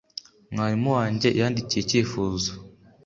Mwarimu wanjye yandikiye icyifuzo.